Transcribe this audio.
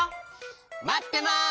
まってます！